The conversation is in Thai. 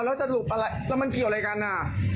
แล้วก็มาแกะรถพี่เลยน่ะ